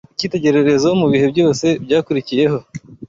icyitegererezo mu bihe byose byakurikiyeho